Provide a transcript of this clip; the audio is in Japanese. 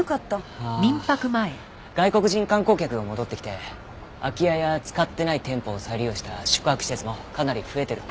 ああ外国人観光客が戻ってきて空き家や使ってない店舗を再利用した宿泊施設もかなり増えてるって。